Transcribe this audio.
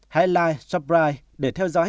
hãy like subscribe để theo dõi